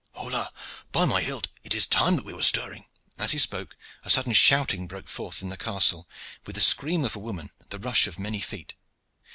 Hola, by my hilt! it is time that we were stirring!" As he spoke, a sudden shouting broke forth in the castle, with the scream of a woman and the rush of many feet.